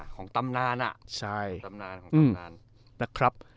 ของตำนานอ่ะ